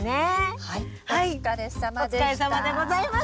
お疲れさまでした。